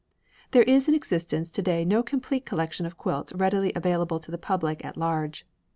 There is in existence to day no complete collection of quilts readily available to the public at large.